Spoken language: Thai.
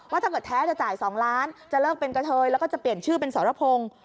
ถ้าเกิดแท้จะจ่าย๒ล้านจะเลิกเป็นกระเทยแล้วก็จะเปลี่ยนชื่อเป็นสรพงศ์